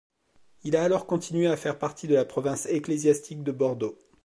Il a alors continué à faire partie de la province ecclésiastique de Bordeaux.